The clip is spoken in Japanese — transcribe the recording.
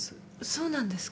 そうなんですか？